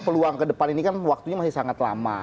peluang kedepan ini kan waktunya masih sangat lama